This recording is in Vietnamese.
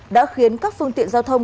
đã khiến các phương tiện giao thông